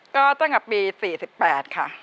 ก็ตั้งแต่ปี๔๘ค่ะ